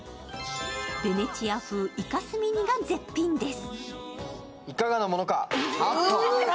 ヴェネチア風イカスミが絶品です。